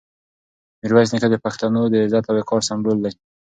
میرویس نیکه د پښتنو د عزت او وقار سمبول دی.